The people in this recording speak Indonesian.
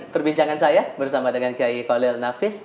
perbincangan saya bersama dengan k i k l navis